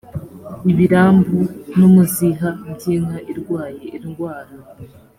ibirambu n umuziha by inka irwaye indwara